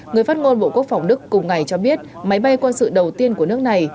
người phát ngôn bộ quốc phòng đức cùng ngày cho biết máy bay quân sự đầu tiên của nước này